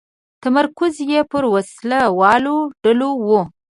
تمرکز یې پر وسله والو ډلو و.